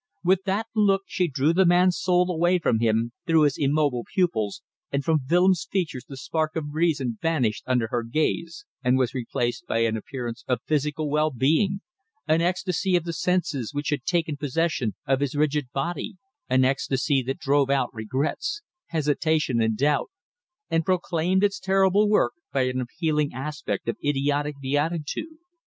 With that look she drew the man's soul away from him through his immobile pupils, and from Willems' features the spark of reason vanished under her gaze and was replaced by an appearance of physical well being, an ecstasy of the senses which had taken possession of his rigid body; an ecstasy that drove out regrets, hesitation and doubt, and proclaimed its terrible work by an appalling aspect of idiotic beatitude.